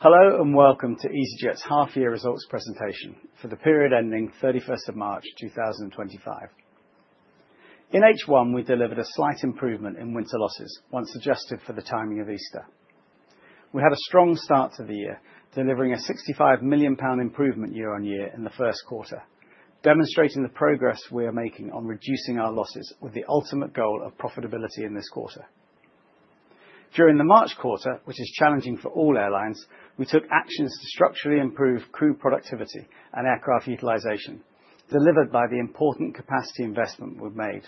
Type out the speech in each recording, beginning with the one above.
Hello and welcome to easyJet's half-year results presentation for the period ending 31 March 2025. In H1, we delivered a slight improvement in winter losses, once adjusted for the timing of Easter. We had a strong start to the year, delivering a 65 million pound improvement year-on-year in the first quarter, demonstrating the progress we are making on reducing our losses with the ultimate goal of profitability in this quarter. During the March quarter, which is challenging for all airlines, we took actions to structurally improve crew productivity and aircraft utilization, delivered by the important capacity investment we made.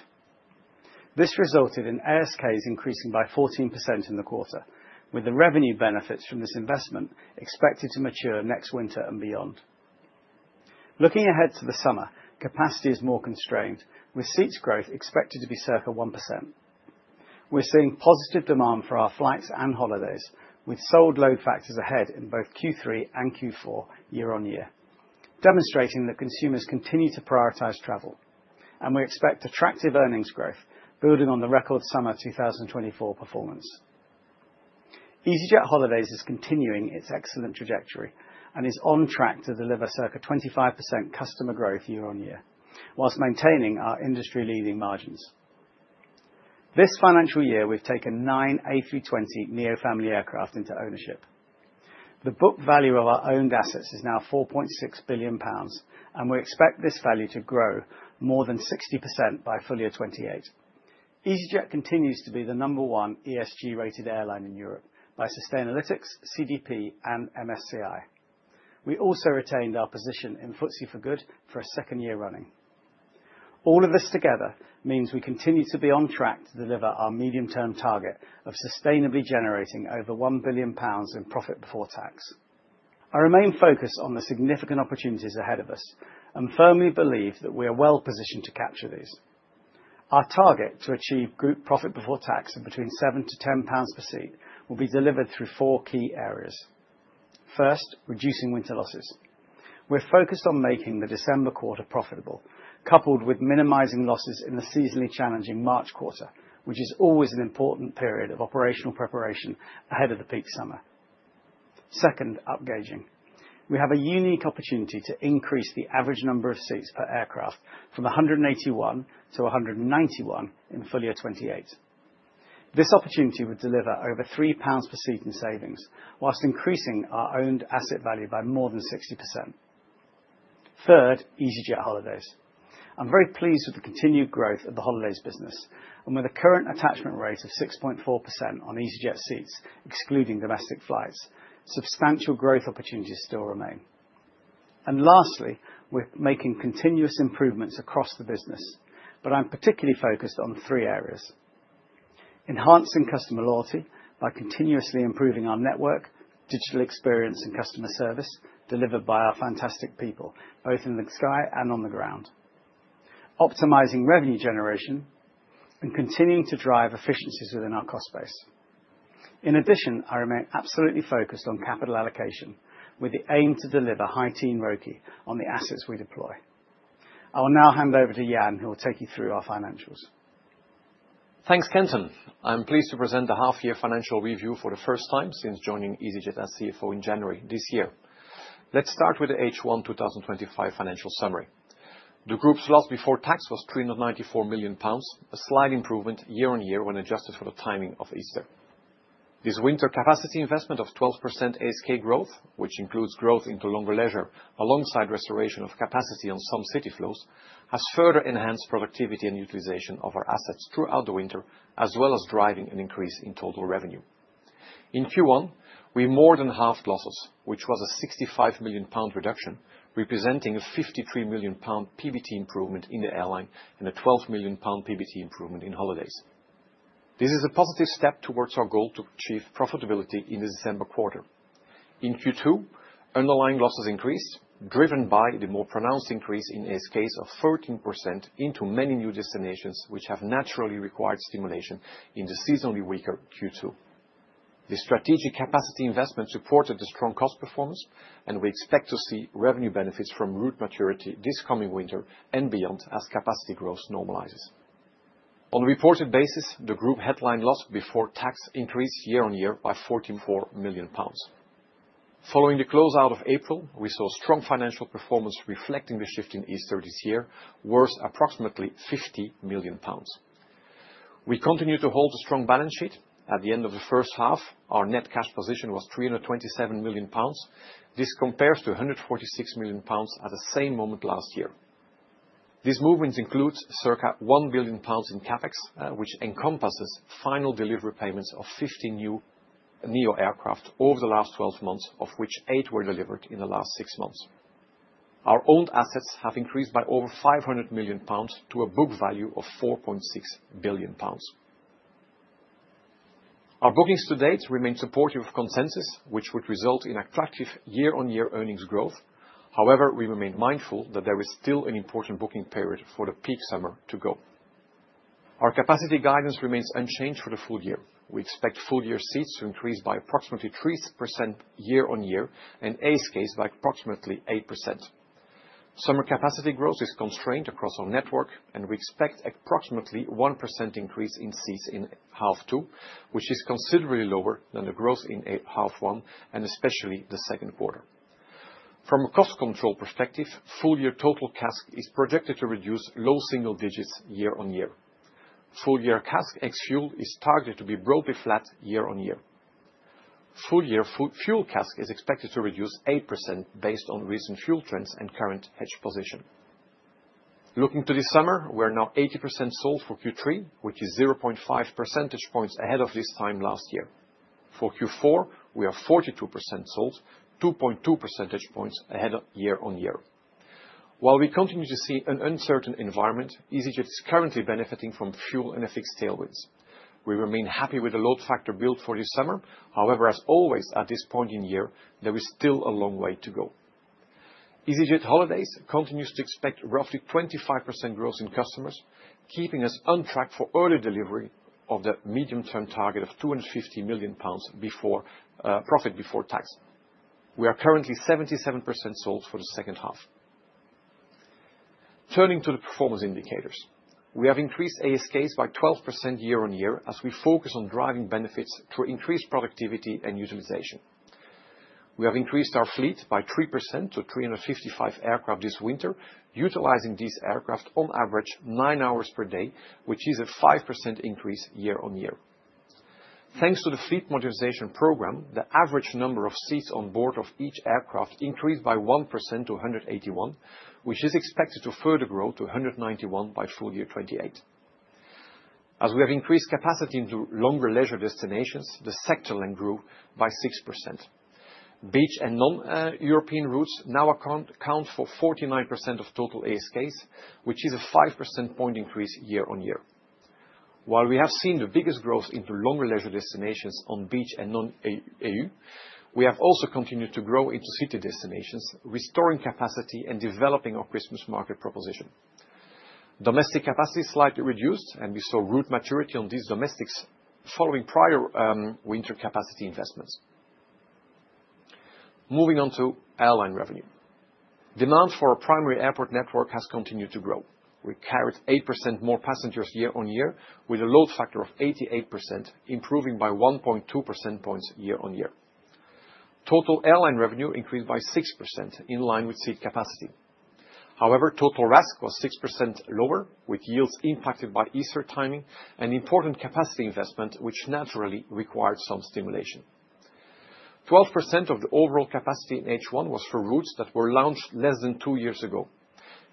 This resulted in ASKs increasing by 14% in the quarter, with the revenue benefits from this investment expected to mature next winter and beyond. Looking ahead to the summer, capacity is more constrained, with seats growth expected to be circa 1%. We're seeing positive demand for our flights and holidays, with sold load factors ahead in both Q3 and Q4 year-on-year, demonstrating that consumers continue to prioritize travel, and we expect attractive earnings growth, building on the record summer 2024 performance. easyJet Holidays is continuing its excellent trajectory and is on track to deliver circa 25% customer growth year-on-year, whilst maintaining our industry-leading margins. This financial year, we've taken nine A320neo family aircraft into ownership. The book value of our owned assets is now 4.6 billion pounds, and we expect this value to grow more than 60% by full year 2028. easyJet continues to be the number one ESG-rated airline in Europe by Sustainalytics, CDP, and MSCI. We also retained our position in FTSE for good for a second year running. All of this together means we continue to be on track to deliver our medium-term target of sustainably generating over 1 billion pounds in profit before tax. I remain focused on the significant opportunities ahead of us and firmly believe that we are well positioned to capture these. Our target to achieve group profit before tax of between 7-10 pounds per seat will be delivered through four key areas. First, reducing winter losses. We're focused on making the December quarter profitable, coupled with minimizing losses in the seasonally challenging March quarter, which is always an important period of operational preparation ahead of the peak summer. Second, upgauging. We have a unique opportunity to increase the average number of seats per aircraft from 181 to 191 in full year 2028. This opportunity would deliver over 3 pounds per seat in savings, whilst increasing our owned asset value by more than 60%. Third, easyJet Holidays. I'm very pleased with the continued growth of the holidays business, and with a current attachment rate of 6.4% on easyJet seats, excluding domestic flights, substantial growth opportunities still remain. Lastly, we're making continuous improvements across the business, but I'm particularly focused on three areas: enhancing customer loyalty by continuously improving our network, digital experience, and customer service delivered by our fantastic people, both in the sky and on the ground; optimizing revenue generation; and continuing to drive efficiencies within our cost base. In addition, I remain absolutely focused on capital allocation, with the aim to deliver high-teen ROIC on the assets we deploy. I will now hand over to Jan, who will take you through our financials. Thanks, Kenton. I'm pleased to present the half-year financial review for the first time since joining easyJet as CFO in January this year. Let's start with the H1 2025 financial summary. The group's loss before tax was 394 million pounds, a slight improvement year-on-year when adjusted for the timing of Easter. This winter capacity investment of 12% ASK growth, which includes growth into longer leisure alongside restoration of capacity on some city flows, has further enhanced productivity and utilization of our assets throughout the winter, as well as driving an increase in total revenue. In Q1, we more than halved losses, which was a 65 million pound reduction, representing a 53 million pound PBT improvement in the airline and a 12 million pound PBT improvement in holidays. This is a positive step towards our goal to achieve profitability in the December quarter. In Q2, underlying losses increased, driven by the more pronounced increase in ASK's of 13% into many new destinations, which have naturally required stimulation in the seasonally weaker Q2. The strategic capacity investment supported the strong cost performance, and we expect to see revenue benefits from route maturity this coming winter and beyond as capacity growth normalizes. On a reported basis, the group headline loss before tax increased year-on-year by 44 million pounds. Following the closeout of April, we saw strong financial performance reflecting the shift in Easter this year, worth approximately 50 million pounds. We continue to hold a strong balance sheet. At the end of the first half, our net cash position was 327 million pounds. This compares to 146 million pounds at the same moment last year. These movements include circa 1 billion pounds in CapEx, which encompasses final delivery payments of 50 new NEO aircraft over the last 12 months, of which eight were delivered in the last six months. Our owned assets have increased by over 500 million pounds to a book value of 4.6 billion pounds. Our bookings to date remain supportive of consensus, which would result in attractive year-on-year earnings growth. However, we remain mindful that there is still an important booking period for the peak summer to go. Our capacity guidance remains unchanged for the full year. We expect full year seats to increase by approximately 3% year-on-year and ASKs by approximately 8%. Summer capacity growth is constrained across our network, and we expect approximately 1% increase in seats in half two, which is considerably lower than the growth in half one, and especially the second quarter. From a cost control perspective, full year total CASK is projected to reduce low single digits year-on-year. Full year CASK ex-fuel is targeted to be broadly flat year-on-year. Full year fuel CASK is expected to reduce 8% based on recent fuel trends and current hedge position. Looking to this summer, we're now 80% sold for Q3, which is 0.5 percentage points ahead of this time last year. For Q4, we are 42% sold, 2.2 percentage points ahead of year-on-year. While we continue to see an uncertain environment, easyJet is currently benefiting from fuel and fixed tailwinds. We remain happy with the load factor built for this summer. However, as always at this point in year, there is still a long way to go. easyJet Holidays continues to expect roughly 25% growth in customers, keeping us on track for early delivery of the medium-term target of 250 million pounds profit before tax. We are currently 77% sold for the second half. Turning to the performance indicators, we have increased ASKs by 12% year-on-year as we focus on driving benefits through increased productivity and utilization. We have increased our fleet by 3% to 355 aircraft this winter, utilizing these aircraft on average nine hours per day, which is a 5% increase year-on-year. Thanks to the fleet modernization program, the average number of seats on board each aircraft increased by 1% to 181, which is expected to further grow to 191 by full year 2028. As we have increased capacity into longer leisure destinations, the sector length grew by 6%. Beach and non-European routes now account for 49% of total ASKs, which is a 5 percentage point increase year-on-year. While we have seen the biggest growth into longer leisure destinations on beach and non-EU, we have also continued to grow into city destinations, restoring capacity and developing our Christmas market proposition. Domestic capacity slightly reduced, and we saw route maturity on these domestics following prior winter capacity investments. Moving on to airline revenue, demand for our primary airport network has continued to grow. We carried 8% more passengers year-on-year, with a load factor of 88%, improving by 1.2 percentage points year-on-year. Total airline revenue increased by 6% in line with seat capacity. However, total RASK was 6% lower, with yields impacted by Easter timing and important capacity investment, which naturally required some stimulation. 12% of the overall capacity in H1 was for routes that were launched less than two years ago.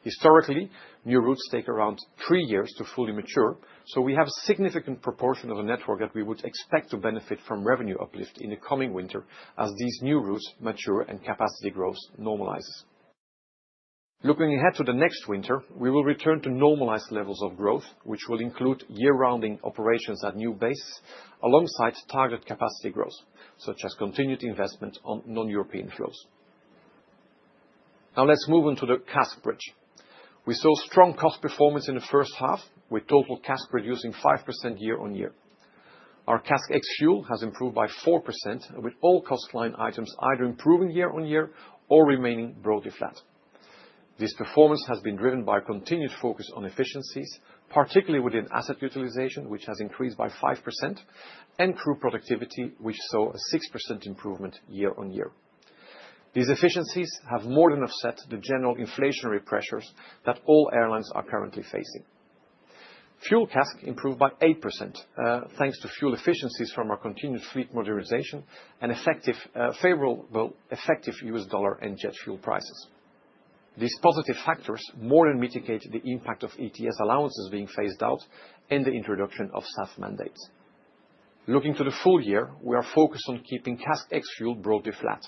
Historically, new routes take around three years to fully mature, so we have a significant proportion of the network that we would expect to benefit from revenue uplift in the coming winter as these new routes mature and capacity growth normalizes. Looking ahead to the next winter, we will return to normalized levels of growth, which will include year-rounding operations at new bases alongside target capacity growth, such as continued investment on non-European fuels. Now let's move on to the CASK bridge. We saw strong cost performance in the first half, with total CASK reducing 5% year-on-year. Our CASK ex-fuel has improved by 4%, with all cost line items either improving year-on-year or remaining broadly flat. This performance has been driven by continued focus on efficiencies, particularly within asset utilization, which has increased by 5%, and crew productivity, which saw a 6% improvement year-on-year. These efficiencies have more than offset the general inflationary pressures that all airlines are currently facing. Fuel CASK improved by 8% thanks to fuel efficiencies from our continued fleet modernization and favorable effective US dollar and jet fuel prices. These positive factors more than mitigate the impact of ETS allowances being phased out and the introduction of SAF mandates. Looking to the full year, we are focused on keeping CASK ex-fuel broadly flat.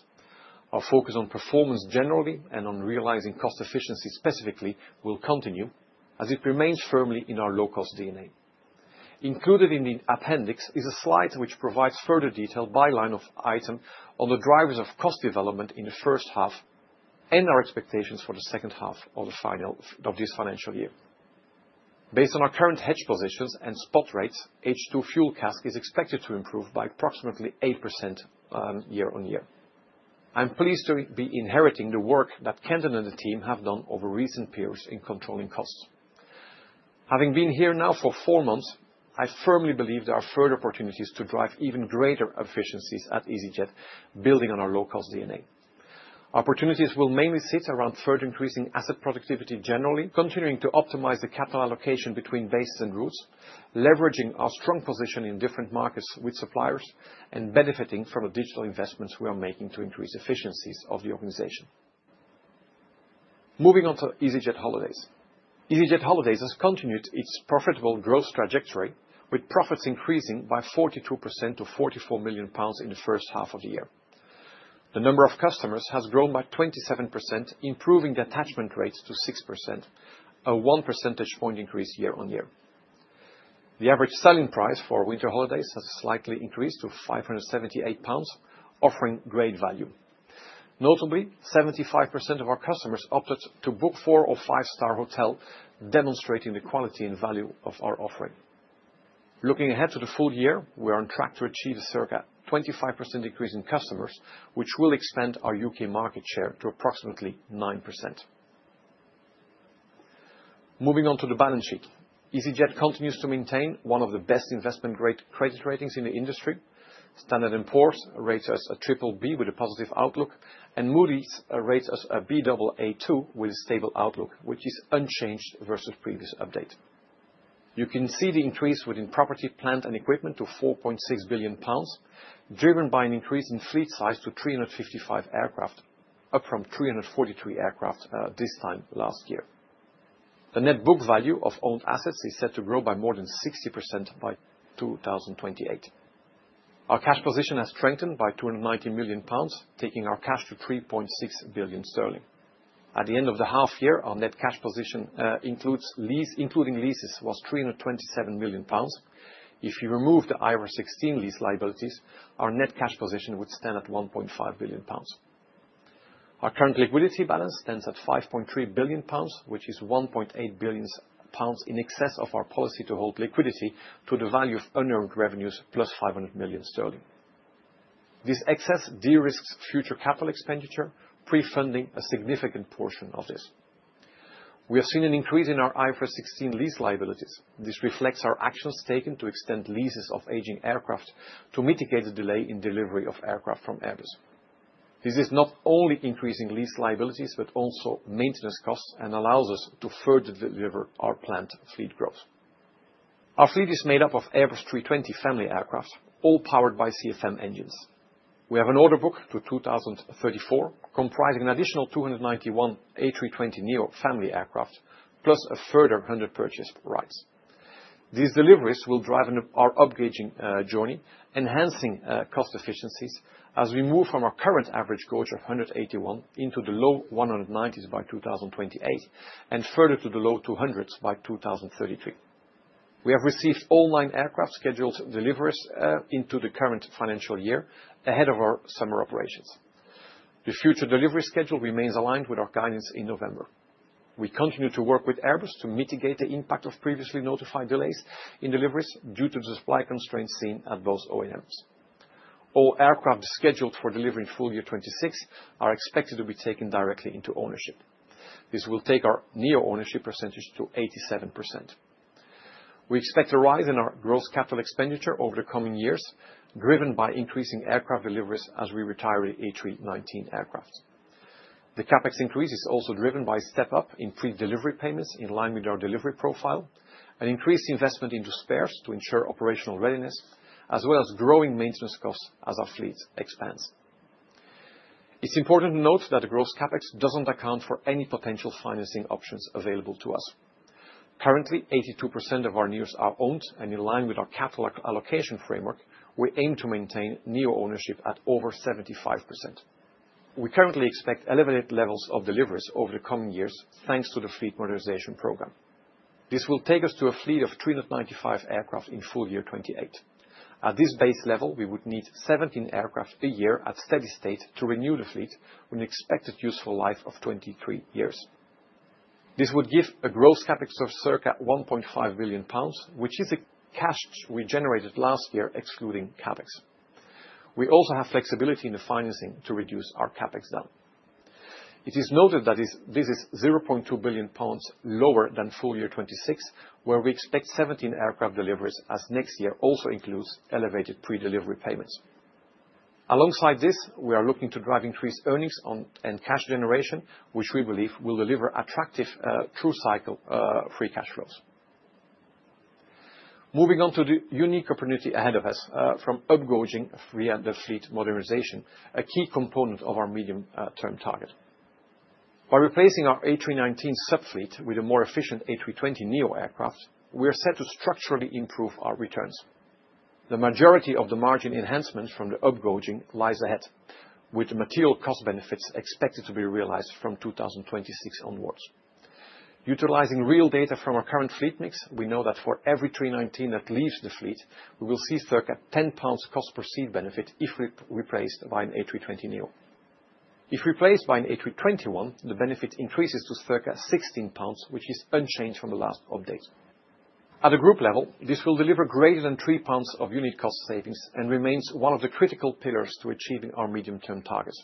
Our focus on performance generally and on realizing cost efficiency specifically will continue as it remains firmly in our low-cost DNA. Included in the appendix is a slide which provides further detail by line item on the drivers of cost development in the first half and our expectations for the second half of this financial year. Based on our current hedge positions and spot rates, H2 fuel CASK is expected to improve by approximately 8% year-on-year. I'm pleased to be inheriting the work that Kenton and the team have done over recent periods in controlling costs. Having been here now for four months, I firmly believe there are further opportunities to drive even greater efficiencies at easyJet, building on our low-cost DNA. Opportunities will mainly sit around further increasing asset productivity generally, continuing to optimize the capital allocation between bases and routes, leveraging our strong position in different markets with suppliers, and benefiting from the digital investments we are making to increase efficiencies of the organization. Moving on to easyJet Holidays. easyJet Holidays has continued its profitable growth trajectory, with profits increasing by 42% to 44 million pounds in the first half of the year. The number of customers has grown by 27%, improving the attachment rates to 6%, a 1 percentage point increase year-on-year. The average selling price for winter holidays has slightly increased to 578 pounds, offering great value. Notably, 75% of our customers opted to book four or five-star hotel, demonstrating the quality and value of our offering. Looking ahead to the full year, we are on track to achieve a circa 25% increase in customers, which will expand our U.K. market share to approximately 9%. Moving on to the balance sheet, easyJet continues to maintain one of the best investment-grade credit ratings in the industry. Standard & Poor's rates us a triple B with a positive outlook, and Moody's rates us a Baa2 with a stable outlook, which is unchanged versus previous update. You can see the increase within property, plant, and equipment to 4.6 billion pounds, driven by an increase in fleet size to 355 aircraft, up from 343 aircraft this time last year. The net book value of owned assets is set to grow by more than 60% by 2028. Our cash position has strengthened by 290 million pounds, taking our cash to 3.6 billion sterling. At the end of the half year, our net cash position includes lease, including leases, was 327 million pounds. If you remove the IFRS 16 lease liabilities, our net cash position would stand at 1.5 billion pounds. Our current liquidity balance stands at 5.3 billion pounds, which is 1.8 billion pounds in excess of our policy to hold liquidity to the value of unearned revenues plus 500 million sterling. This excess de-risks future capital expenditure, prefunding a significant portion of this. We have seen an increase in our IFRS 16 lease liabilities. This reflects our actions taken to extend leases of aging aircraft to mitigate the delay in delivery of aircraft from Airbus. This is not only increasing lease liabilities, but also maintenance costs and allows us to further deliver our planned fleet growth. Our fleet is made up of Airbus 320 family aircraft, all powered by CFM engines. We have an order book to 2034, comprising an additional 291 A320neo family aircraft, plus a further 100 purchase rights. These deliveries will drive our upgauging journey, enhancing cost efficiencies as we move from our current average goal of 181 into the low 190s by 2028 and further to the low 200s by 2033. We have received all nine aircraft scheduled deliveries into the current financial year ahead of our summer operations. The future delivery schedule remains aligned with our guidance in November. We continue to work with Airbus to mitigate the impact of previously notified delays in deliveries due to the supply constraints seen at both OEMs. All aircraft scheduled for delivery in full year 2026 are expected to be taken directly into ownership. This will take our NEO ownership percentage to 87%. We expect a rise in our gross CapEx over the coming years, driven by increasing aircraft deliveries as we retire the A319 aircraft. The CapEx increase is also driven by a step up in fleet delivery payments in line with our delivery profile, an increased investment into spares to ensure operational readiness, as well as growing maintenance costs as our fleet expands. It's important to note that the gross CapEx doesn't account for any potential financing options available to us. Currently, 82% of our NEOs are owned and in line with our capital allocation framework, we aim to maintain NEO ownership at over 75%. We currently expect elevated levels of deliveries over the coming years thanks to the fleet modernization program. This will take us to a fleet of 395 aircraft in full year 2028. At this base level, we would need 17 aircraft a year at steady state to renew the fleet with an expected useful life of 23 years. This would give a gross CapEx of 1.5 billion pounds, which is the cash we generated last year excluding CapEx. We also have flexibility in the financing to reduce our CapEx down. It is noted that this is 0.2 billion pounds lower than full year 2026, where we expect 17 aircraft deliveries as next year also includes elevated pre-delivery payments. Alongside this, we are looking to drive increased earnings and cash generation, which we believe will deliver attractive true cycle free cash flows. Moving on to the unique opportunity ahead of us from upgauging via the fleet modernization, a key component of our medium-term target. By replacing our A319 subfleet with a more efficient A320neo aircraft, we are set to structurally improve our returns. The majority of the margin enhancements from the upgauging lies ahead, with material cost benefits expected to be realized from 2026 onwards. Utilizing real data from our current fleet mix, we know that for every 319 that leaves the fleet, we will see circa 10 pounds cost per seat benefit if replaced by an A320neo. If replaced by an A321, the benefit increases to circa 16 pounds, which is unchanged from the last update. At a group level, this will deliver greater than 3 pounds of unit cost savings and remains one of the critical pillars to achieving our medium-term targets.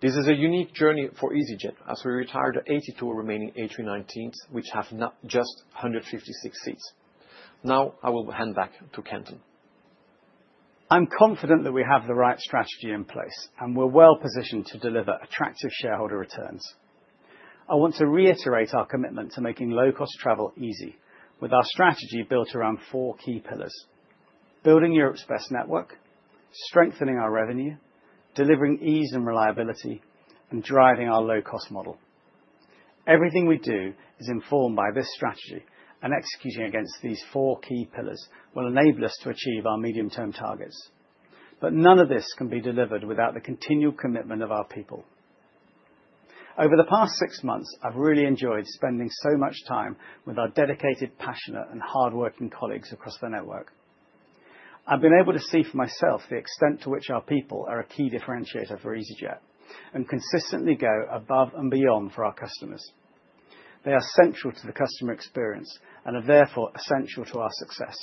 This is a unique journey for easyJet as we retire the 82 remaining A319s, which have not just 156 seats. Now I will hand back to Kenton. I'm confident that we have the right strategy in place and we're well positioned to deliver attractive shareholder returns. I want to reiterate our commitment to making low-cost travel easy with our strategy built around four key pillars: building Europe's best network, strengthening our revenue, delivering ease and reliability, and driving our low-cost model. Everything we do is informed by this strategy, and executing against these four key pillars will enable us to achieve our medium-term targets. None of this can be delivered without the continual commitment of our people. Over the past six months, I've really enjoyed spending so much time with our dedicated, passionate, and hardworking colleagues across the network. I've been able to see for myself the extent to which our people are a key differentiator for easyJet and consistently go above and beyond for our customers. They are central to the customer experience and are therefore essential to our success.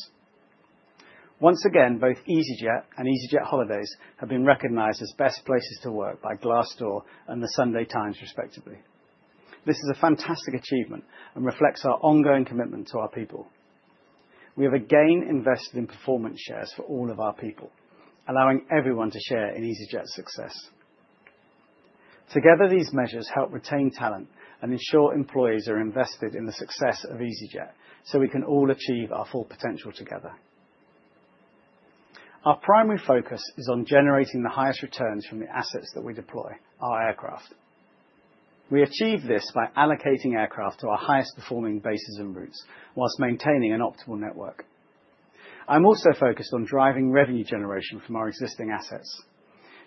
Once again, both easyJet and easyJet Holidays have been recognized as best places to work by Glassdoor and the Sunday Times, respectively. This is a fantastic achievement and reflects our ongoing commitment to our people. We have again invested in performance shares for all of our people, allowing everyone to share in easyJet's success. Together, these measures help retain talent and ensure employees are invested in the success of easyJet so we can all achieve our full potential together. Our primary focus is on generating the highest returns from the assets that we deploy, our aircraft. We achieve this by allocating aircraft to our highest performing bases and routes whilst maintaining an optimal network. I'm also focused on driving revenue generation from our existing assets.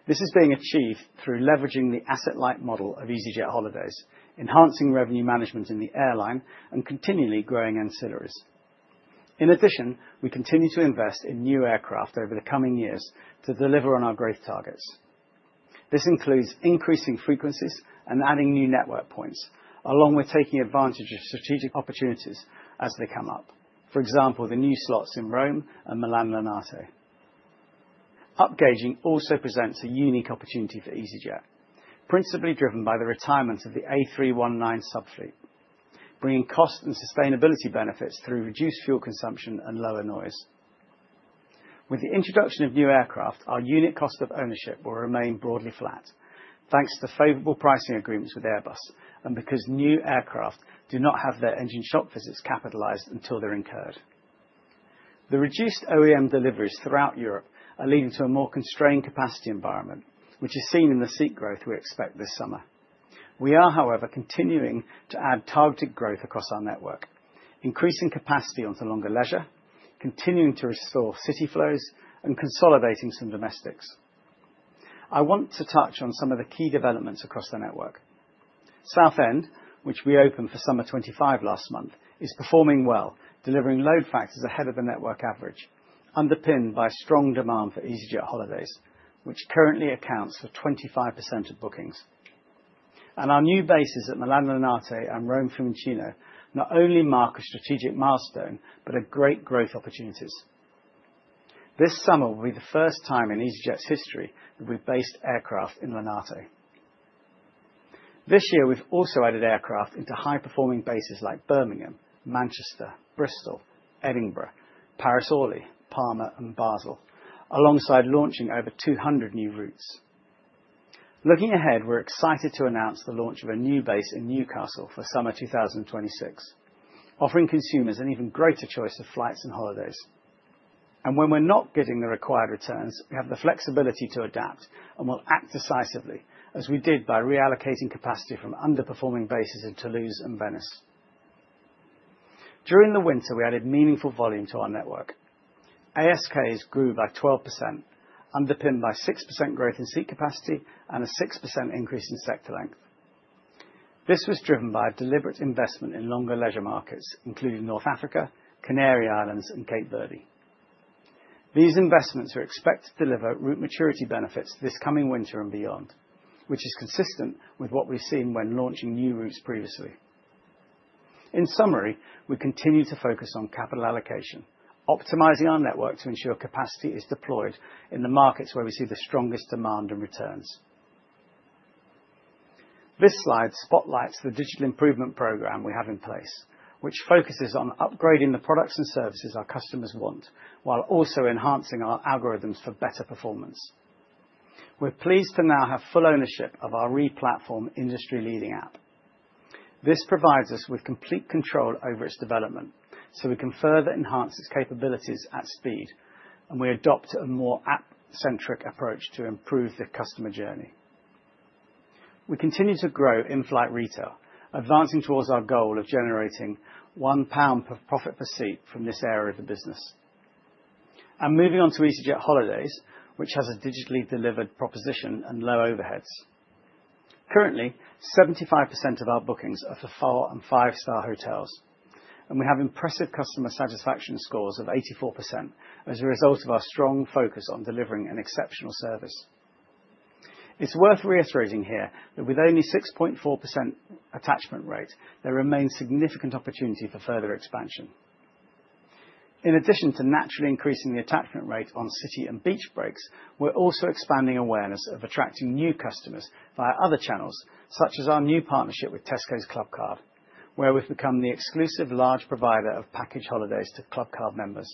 This is being achieved through leveraging the asset-light model of easyJet Holidays, enhancing revenue management in the airline, and continually growing ancillaries. In addition, we continue to invest in new aircraft over the coming years to deliver on our growth targets. This includes increasing frequencies and adding new network points, along with taking advantage of strategic opportunities as they come up, for example, the new slots in Rome and Milan and Orly. Upgauging also presents a unique opportunity for easyJet, principally driven by the retirement of the A319 subfleet, bringing cost and sustainability benefits through reduced fuel consumption and lower noise. With the introduction of new aircraft, our unit cost of ownership will remain broadly flat thanks to favorable pricing agreements with Airbus and because new aircraft do not have their engine shop visits capitalized until they're incurred. The reduced OEM deliveries throughout Europe are leading to a more constrained capacity environment, which is seen in the seat growth we expect this summer. We are, however, continuing to add targeted growth across our network, increasing capacity onto longer leisure, continuing to restore city flows, and consolidating some domestics. I want to touch on some of the key developments across the network. Southend, which we opened for summer 2025 last month, is performing well, delivering load factors ahead of the network average, underpinned by strong demand for easyJet Holidays, which currently accounts for 25% of bookings. Our new bases at Milan Linate and Rome Fiumicino not only mark a strategic milestone but are great growth opportunities. This summer will be the first time in easyJet's history that we've based aircraft in Linate. This year, we've also added aircraft into high-performing bases like Birmingham, Manchester, Bristol, Edinburgh, Paris Orly, Palma, and Basel, alongside launching over 200 new routes. Looking ahead, we're excited to announce the launch of a new base in Newcastle for summer 2026, offering consumers an even greater choice of flights and holidays. When we're not getting the required returns, we have the flexibility to adapt and will act decisively, as we did by reallocating capacity from underperforming bases in Toulouse and Venice. During the winter, we added meaningful volume to our network. ASKs grew by 12%, underpinned by 6% growth in seat capacity and a 6% increase in sector length. This was driven by a deliberate investment in longer leisure markets, including North Africa, Canary Islands, and Cape Verde. These investments are expected to deliver route maturity benefits this coming winter and beyond, which is consistent with what we've seen when launching new routes previously. In summary, we continue to focus on capital allocation, optimizing our network to ensure capacity is deployed in the markets where we see the strongest demand and returns. This slide spotlights the digital improvement program we have in place, which focuses on upgrading the products and services our customers want while also enhancing our algorithms for better performance. We're pleased to now have full ownership of our re-platform industry-leading app. This provides us with complete control over its development so we can further enhance its capabilities at speed, and we adopt a more app-centric approach to improve the customer journey. We continue to grow in-flight retail, advancing towards our goal of generating 1 pound per profit per seat from this area of the business. Moving on to easyJet Holidays, which has a digitally delivered proposition and low overheads. Currently, 75% of our bookings are to four and five-star hotels, and we have impressive customer satisfaction scores of 84% as a result of our strong focus on delivering an exceptional service. It is worth reiterating here that with only 6.4% attachment rate, there remains significant opportunity for further expansion. In addition to naturally increasing the attachment rate on city and beach breaks, we are also expanding awareness of attracting new customers via other channels, such as our new partnership with Tesco Clubcard, where we have become the exclusive large provider of package holidays to Clubcard members.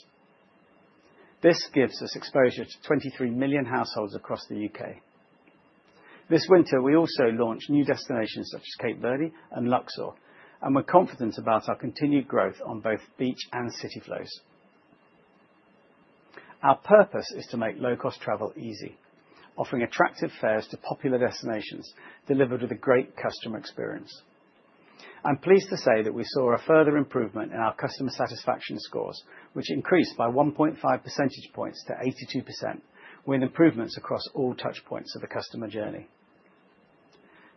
This gives us exposure to 23 million households across the U.K. This winter, we also launched new destinations such as Cape Verde and Luxor, and we're confident about our continued growth on both beach and city flows. Our purpose is to make low-cost travel easy, offering attractive fares to popular destinations delivered with a great customer experience. I'm pleased to say that we saw a further improvement in our customer satisfaction scores, which increased by 1.5 percentage points to 82%, with improvements across all touch points of the customer journey.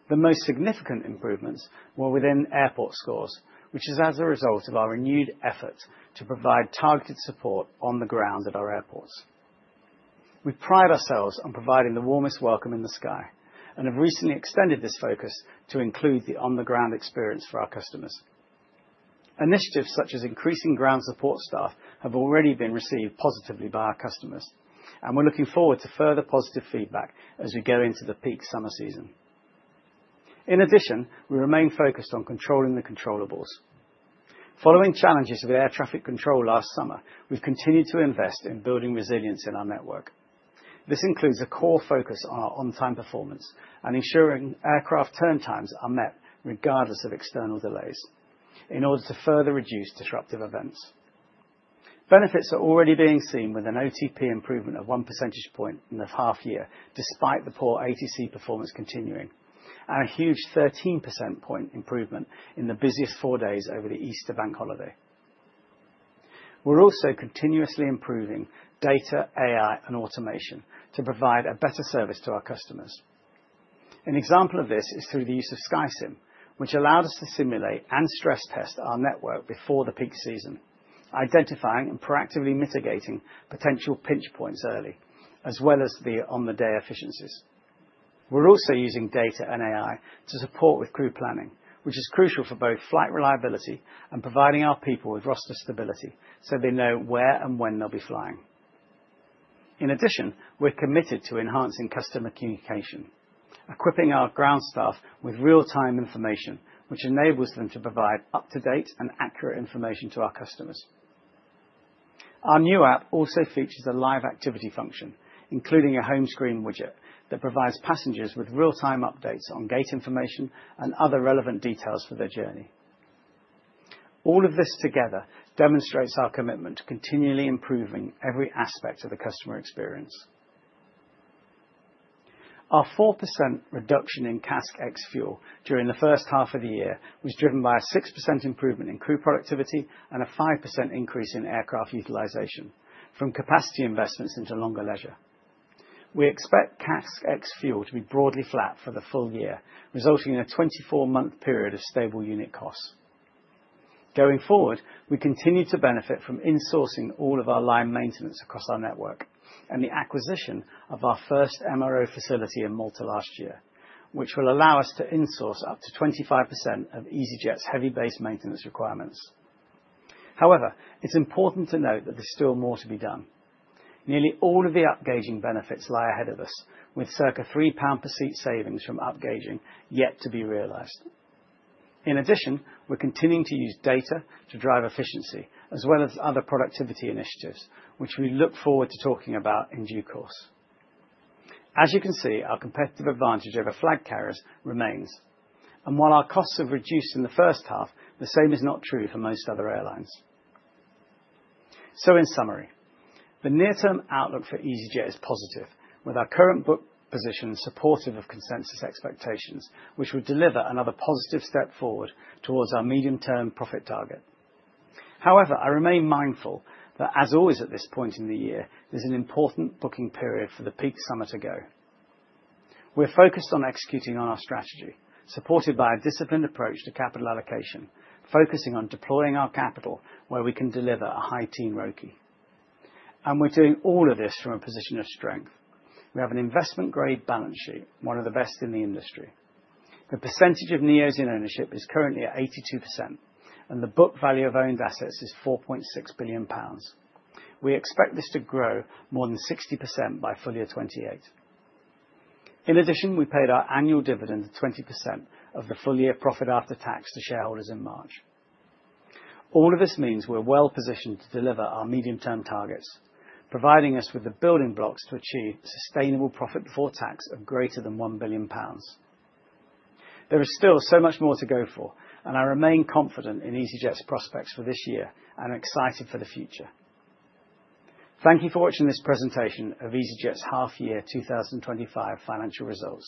The most significant improvements were within airport scores, which is as a result of our renewed efforts to provide targeted support on the ground at our airports. We pride ourselves on providing the warmest welcome in the sky and have recently extended this focus to include the on-the-ground experience for our customers. Initiatives such as increasing ground support staff have already been received positively by our customers, and we're looking forward to further positive feedback as we go into the peak summer season. In addition, we remain focused on controlling the controllables. Following challenges with air traffic control last summer, we've continued to invest in building resilience in our network. This includes a core focus on our on-time performance and ensuring aircraft turn times are met regardless of external delays in order to further reduce disruptive events. Benefits are already being seen with an OTP improvement of one percentage point in the half year, despite the poor ATC performance continuing, and a huge 13% point improvement in the busiest four days over the Easter Bank holiday. We're also continuously improving data, AI, and automation to provide a better service to our customers. An example of this is through the use of SkySIM, which allowed us to simulate and stress test our network before the peak season, identifying and proactively mitigating potential pinch points early, as well as the on-the-day efficiencies. We're also using data and AI to support with crew planning, which is crucial for both flight reliability and providing our people with roster stability so they know where and when they'll be flying. In addition, we're committed to enhancing customer communication, equipping our ground staff with real-time information, which enables them to provide up-to-date and accurate information to our customers. Our new app also features a live activity function, including a home screen widget that provides passengers with real-time updates on gate information and other relevant details for their journey. All of this together demonstrates our commitment to continually improving every aspect of the customer experience. Our 4% reduction in CASK ex-fuel during the first half of the year was driven by a 6% improvement in crew productivity and a 5% increase in aircraft utilization from capacity investments into longer leisure. We expect CASK ex-fuel to be broadly flat for the full year, resulting in a 24-month period of stable unit costs. Going forward, we continue to benefit from insourcing all of our line maintenance across our network and the acquisition of our first MRO facility in Malta last year, which will allow us to insource up to 25% of easyJet's heavy-based maintenance requirements. However, it's important to note that there's still more to be done. Nearly all of the upgauging benefits lie ahead of us, with circa 3 pound per seat savings from upgauging yet to be realized. In addition, we're continuing to use data to drive efficiency as well as other productivity initiatives, which we look forward to talking about in due course. As you can see, our competitive advantage over flag carriers remains, and while our costs have reduced in the first half, the same is not true for most other airlines. In summary, the near-term outlook for easyJet is positive, with our current book position supportive of consensus expectations, which will deliver another positive step forward towards our medium-term profit target. However, I remain mindful that, as always at this point in the year, there's an important booking period for the peak summer to go. We're focused on executing on our strategy, supported by a disciplined approach to capital allocation, focusing on deploying our capital where we can deliver a high-team rookie. We're doing all of this from a position of strength. We have an investment-grade balance sheet, one of the best in the industry. The percentage of Neos in ownership is currently at 82%, and the book value of owned assets is 4.6 billion pounds. We expect this to grow more than 60% by full year 2028. In addition, we paid our annual dividend of 20% of the full year profit after tax to shareholders in March. All of this means we're well positioned to deliver our medium-term targets, providing us with the building blocks to achieve sustainable profit before tax of greater than 1 billion pounds. There is still so much more to go for, and I remain confident in easyJet's prospects for this year and excited for the future. Thank you for watching this presentation of easyJet's half-year 2025 financial results.